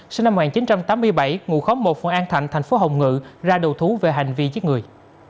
sinh năm một nghìn chín trăm tám mươi bảy ngụ khóm một phương an thạnh thành phố hồng ngự ra đầu thú về hành vi giết người